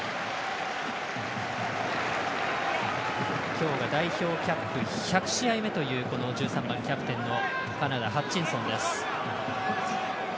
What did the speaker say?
今日が代表キャップ１００試合目という１３番、キャプテンのカナダ、ハッチンソンです。